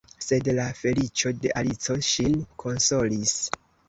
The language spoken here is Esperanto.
Sed la feliĉo de Alico ŝin konsolis.